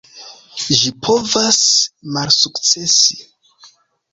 Ĝi povas malsukcesi.